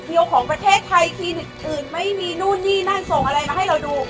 ของประเทศไทยคลินิกอื่นไม่มีนู่นนี่นั่นส่งอะไรมาให้เราดู